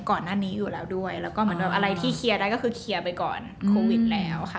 ก่อนหน้านี้อยู่แล้วด้วยแล้วก็เหมือนแบบอะไรที่เคลียร์ได้ก็คือเคลียร์ไปก่อนโควิดแล้วค่ะ